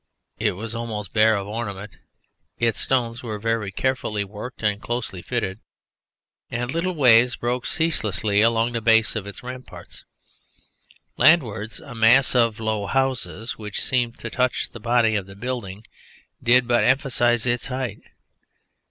It was almost bare of ornament; its stones were very carefully worked and closely fitted, and little waves broke ceaselessly along the base of its rampart. Landwards, a mass of low houses which seemed to touch the body of the building did but emphasise its height.